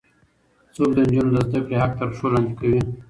څوک د نجونو د زده کړې حق تر پښو لاندې کوي؟